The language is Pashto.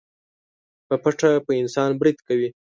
په پټه په انسان بريد کوي.